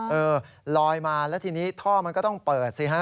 เออลอยมาแล้วทีนี้ท่อมันก็ต้องเปิดสิฮะ